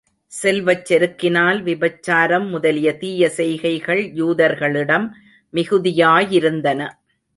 செல்வச் செருக்கினால் விபச்சாரம் முதலிய தீய செய்கைகள் யூதர்களிடம் மிகுதியாயிருந்தன.